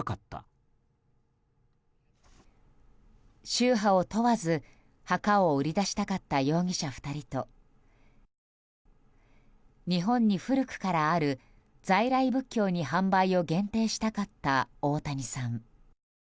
宗派を問わず、墓を売り出したかった容疑者２人と日本に古くからある在来仏教に販売を限定したかった大谷さん。